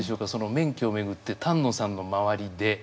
免許を巡って丹野さんの周りで。